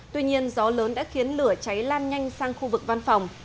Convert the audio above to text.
tuy nhiên gió lớn đã khiến lửa cháy lan nhanh sang khu vực văn phòng